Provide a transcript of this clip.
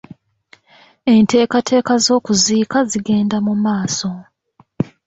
Enteekateeka z'okuziika zigenda mu maaso.